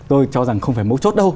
tôi cho rằng không phải mấu chốt đâu